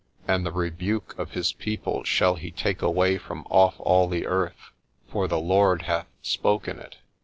"And the rebuke of His people shall He take away from off all the earth: for the Lord hath spoken it."